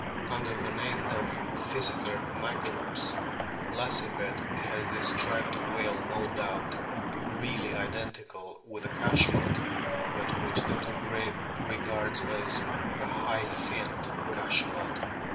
Under the name of Pkyseter microps Lacepede has described a whale no doubt really identical with the Cachalot, but which Dr. Gray regards as a " High finned Cachalot."